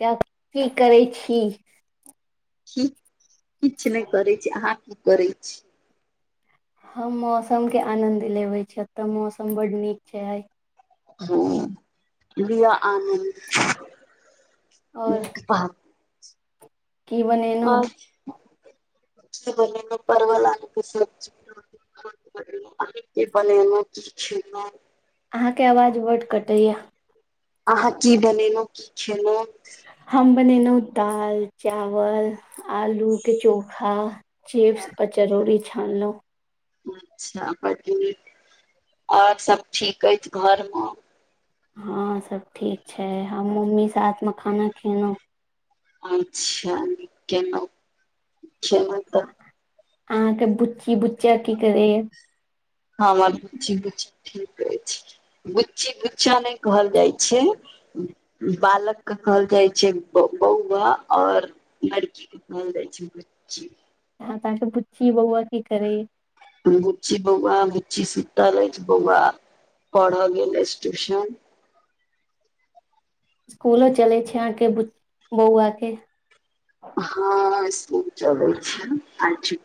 कऽ की करै छी किछु नय करै छी अहाँ की करै छी हम मौसमके आनन्द लेबै छिय एतऽ मौसम बड नीक छै हं लिय आनन्द और नीक प की आ बनेलहुँ ब परवल लल सबजी बनेलहु की खेलहु अहाँके आवाज बड कटैया अहाँ की बनेलहुँ की खेलहुँ हम बनेलहुँ दाल चावल आलू के चोखा चिप्स आ चरौड़री छानलहुँ अच्छा बड नीक और सब ठीक अइछ घर में हँं सब ठीक छै हम मम्मी सा साथ में खाना खेलहुँं अच्छा न अहाँके बुच्ची बुच्चा की करे य हँ हमर गुच्ची गुच्ची ठीक रहै छै गुच्ची गुच्चा नय कहल जाइ छै बालक के कहल जाइ छै बौआ आऔर लड़की ब दै छै बी हँ तहाँके पुछी बउआ की करेह अगुच्ची बौआ अंगुच्ची सुत लै बौआ पढ़ऽ गेल ट्यूशन इसकूलो चलय छय आहाँके बौआ के हँ बहु चबै आ छी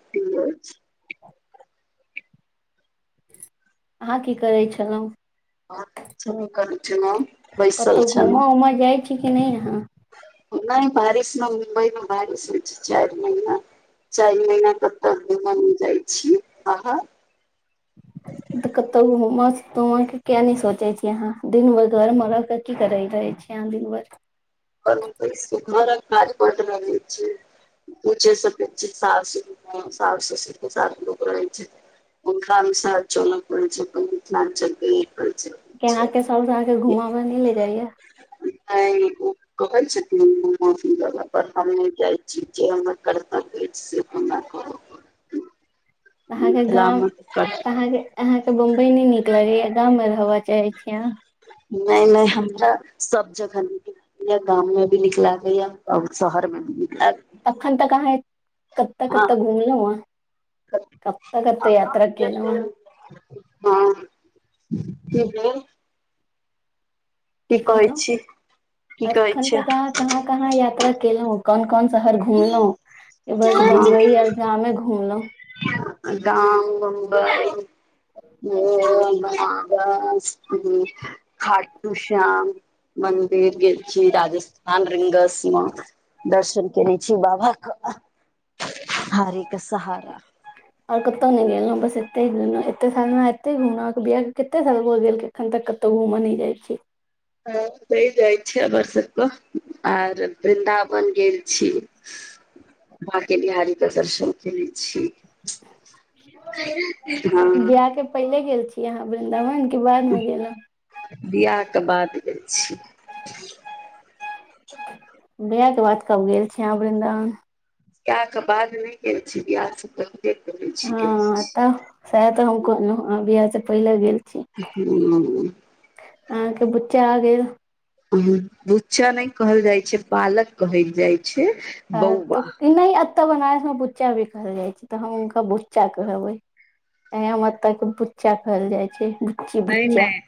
अहाँ की करै छलहुँ आ च कर छय ने कतहु घूमऽ उमऽ जाइ छी कि नय अहाँ बारिश न मुम्बइ न बारिश होइ छय चार महिना चारिल महिना तऽ तऽ घ हमन जाइ छी आह त कतौ घुमा सुतमा के किया ने सोचे छी यहा दिन भर घर मे र के की करे रहे छी च दिन ब पर घर खाज पत रहै छी ओ छै सप्च ससए रुप स सए सप सात लोक रहै छै ओथिलरा अनुसार चल प छै अपन मिथिलञ्चलके कर छै केहाँ के सह के घूम में न ले जाइया [inaudible] कहै छथिन [unintelligible] जगह पर हमहु जाइ छी जे हमर कर्तव्य अछि से हमरा कर परत [inaudible] अहाँके गाँव मिथिलामे [inaudible] अहाँके अहाँ के बम्बई न नीक लगेया गाम में रहब चाहे छीये अहाँ नाए नाए हमरा सब जगह न गाँव में भी निक लागैए और शहर में भी निक लागै अखन तक अहाँ [inaudible] कतक कतक घूमलू ह [inaudible] कत कत याता कोलौ हँ ह [unintelligible] की कहै छी की कहलहु [inaudible] कहै एखन छै तऽ अहा कहाँ कहाँ यात्रा केलहुं कोन कोन शहर घूमलों हुं की बस बम्बई आर घूमलों हु [unintelligible] [unintelligible] खाटू श्याम मंदिर गेल छी राजस्थान रिंगस म दर्शन कनै छी बाबा क हारे क सहारा और कतहु नहि गेलू बस एते एते साल मे एते घुमल आहाँ के बियाह के कते साल भेल गेल एखन तक कतौ घूमऽ नहि जाइ छै ह रहि जाइ छी हमर सबके आर वृन्दावन गेल छी [inaudible] बांके बिहारीबिहारीे दर्शन केने छी [unintelligible] बियाह के पहिले गेल छी अहाँ वृन्दावन के बाद मे गेलहुं बियाह क बाद गेल छी बियाह क बाद कब गेल छी अहाँ वृन्दावन बियाह बाद नहि क छी बियाह स पहिने हँ ऐत सेह तऽ हम कहलु आहाँ बियाह से पहिले गेल छी [unintelligible] अहाँके बुच्चा आ गेल बुच्चा नहि कहल जाइ छै बालक कहल जाइ छै आ बौआ तऽ नहि एतऽ बनारस मे बुच्चा भी कहल जाइ छै तऽ हम हुनका बुच्चा कहबै हम एत के बुच्चा कहल जाय छै बुच्ची नाए बुच्चा नाए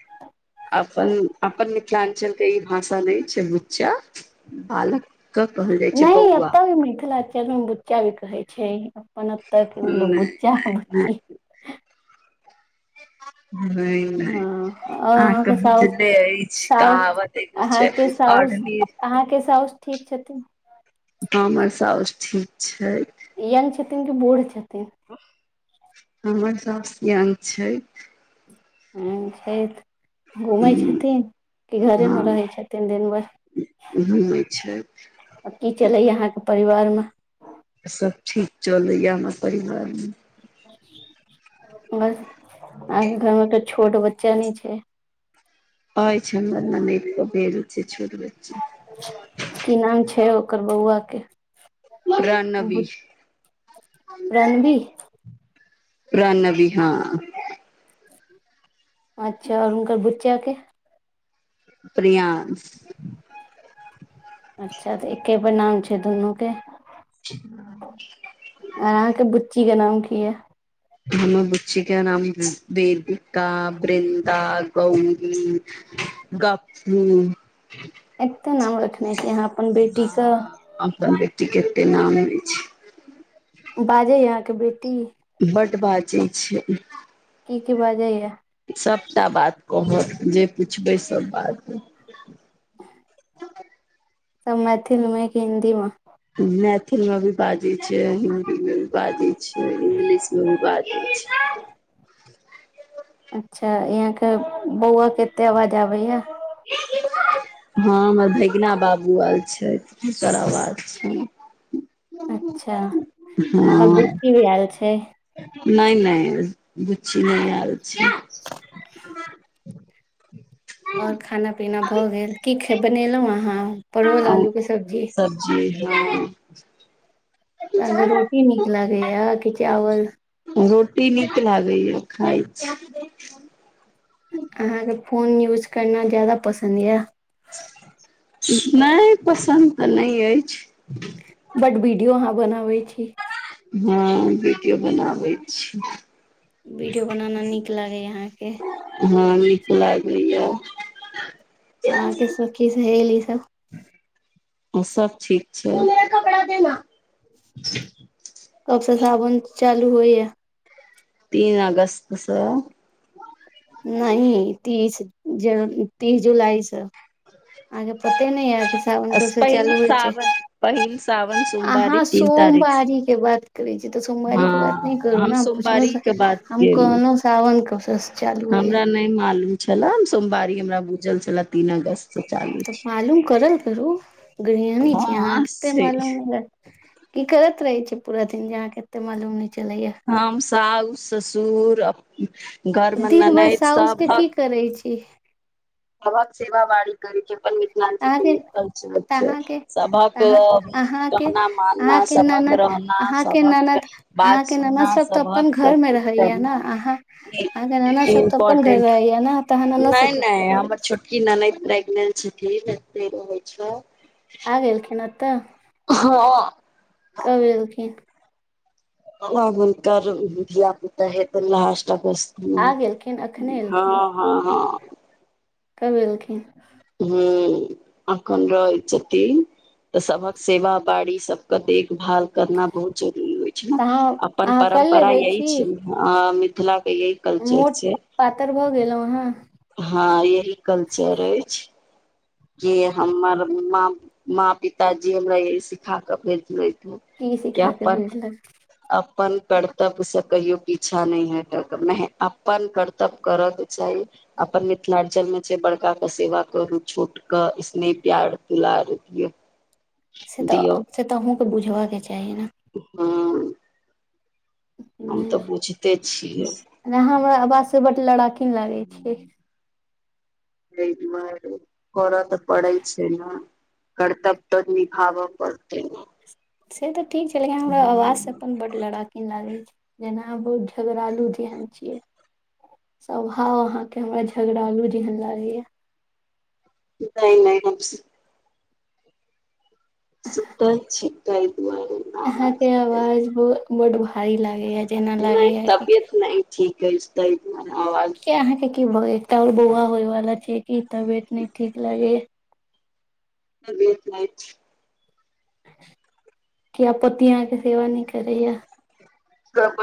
अपन अपन मिथिलांचल ई भाषा नहि छै बुच्चा बालक के कहल जाइ छै नहि बौआ एत भी मिथिला अक्षर बुच्चा भी कहै छै अपन ओतह क वह नहि लोग बुच्चा नहि नहि बुच्ची नहि [inaudible] हँ नहि और अहाँके साउस बुझले अछि साउ कहावत एगो छै अहाँके साउस ओढ़नी अहाँके साउस ठीक छथिन हँ हमर सउस ठीक छै यंग छथिन कि बूढ़ छथिन [inaudible] हमर साउस यंग छै हु छैथ घूमै छथिन कि घरे हँ मे रहै छथिन दिनभर नहि छै की चलैया अहाँके परिवार मे सब ठीक चलैया हमर परिवार में बस आ घर मे तऽ छोट बच्चा नय छै आइ छै हमर म ने एक बेर छै छोटब की नाम छै ओकर बौआ के बु रनवी रणवी पुर न भी हँ अच्छा आरुनकर बुच्चा के प्रिया अच्छा तऽ एक्के पर नाम छै दुनू के हँ आर अहाँ के बुच्ची के नाम की ये न बुच्चिक नाम वेदिका ब्रन्द तऽ गी गी एते नाम रखने छै यहाँ हं अपन बेटी के एते नाम लबै छै बाजै या अहाँके बेटी बड बाजइ छै की की बाजैय सबटा बात कहत जे पुछबै सब बात सब मैथिल में कि हिन्दी में मैथिलीमें भी बाजै छै हिन्दी में भी बाजै छै इंग्लिशमे भी बाजै छै अच्छा यहां के बौआ केते आवाज आबे या हं हँ हमर भगना बाबू आल छै दोसर आवाज छै अच्छा ओनक बुद् भी आयल छै नय नय बुचि नय आर छी आओर खाना पीना भऽ गेल की बनेलहुँ अहाँ परवल आ आलू के सब्जी सबजी तऽ रोटी नीक लागैया कि चावल रोटी नीक लागैएा खाइ छी अहाँके फोन यूज करना जादा पसन्द यऽ नय पसन्द तऽ नय अइछ बड वीडियो अहाँ बनाबै छी हँ वीडियो बनाबै छी वीडियो बनेनाय नीक लागैया अहाँके हँ नीक लागैया सखीसँ हली सब ओ सब ठीक छै का देना कबसँ सावन चालू होइए तीन ऑगस्तस नइ तीस ज तीस जुलाईसँ आहाँके पते न य सावन तो से पहिल चालू होय छय सावन पहिल सावन सोमवारी अहा तीन तारीख सोमवारी के बात करै छी तऽ सोमवारी के बात नय हँ करू हम ने पुछल सोमवारी के बात हम केलहुँ कहल सा्रावण कश हमरा नहि मालूम छले सोमवारी हमरा बुझल छलै तीन अगस्त से चालू तऽ छै मालूम करल करू गृियानी छी अहाँ हँ कते से मालूम नई य की करत रहै छिये पूरा दिन जे अहाँकेँ एते मालूम नहि चलै य हम साउ ससुर घर मे दिन भर ननद साउस के की सबहक करै छी सबहक सेवा बारी करै छै अपन मिथिलांचल केँ अहाँके लिए करै तऽ छिये अहाँके सबक कहना मानना अहाँकेँ सभक ननद रहना अहाँकेँ सभक ननद बात अहाँकेँ ननद सुनना सब तऽ सभक अपन घर मे सबकुछ रहै य नऽ करना अहाँ आहाँ कनद सब तऽ अपन घर इम्पोर्टेंट रहै य नऽ तऽ [unintelligible] सब करै की ननैद प्रेग्नेट छथि एतय रहै छ आ गेलखिन एतऽ हँ कब एलखिन अब हुनकर धिया पुता है तै लासस्ट आ गेलखिन अखने हँ हँ एलखिन हँ हँ कब एलखिन हूँ अखन रहइ छथिन तऽ सबहक सेवा बारी सब कऽ देखभाल करना बहुत जरूरी होइ छै तऽ नऽ अहाँ अपन अहाँ कल्हि परम्परा एबै यहि छी छिये नऽ हँ मिथिलाकेँ यहि [unintelligible] पातर भऽ गेलहु अहाँ हँ यही कल्चर अछि जि हमर माँ माँ पितााजी हमरा चहि सिखा कऽ भेजले की क्य सिखा के पर भेजलक अपन कर्तव्य से कहियो पीछा नहि हेटऽ कऽ महे अपन कर्तव्य करक चाही अपन मिथिलांचल मे छै बड़का केँ सेवा करू छोट कऽ स्नेह प्यार दुलार दियो से तऽ से तऽ अहूँकेँ बुझबाक चाही नऽ हँ हम तऽ बुझिते छियै नहि हमरा आवाज से बड्ड लड़ाकीन लागै छियै एहि दुआरे करऽ तऽ पड़ै छै नऽ कर्तब्य तऽ निभाबऽ पड़तै नऽ से तऽ ठीक छै लेकिन अहाँ हमरा आवाज से अपन बर लड़ााकीन लागै छै जेना [unintelligible] झगड़ालु जेहन छिये स्वभाव अहाँकेँ हमरा झगड़ालु जेहन लागे यऽ नहि नहि हम सब सुतल छी ताही दुआरे आवाज अहाँकेँ आवाज ब बड भारी लागै य नहि तबियत नहि ठीक अछि तैय दुआरे अवाज किया अहाँकेँ की भऽ गेल एकटा और बौआ होय वाला छै की तबियत नै ठीक लगै य तबियत नहि किया पति अहाँकेँ सेवा नइ करै यऽ [unintelligible]